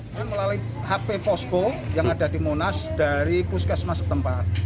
dengan melalui hp posko yang ada di monas dari puskesmas setempat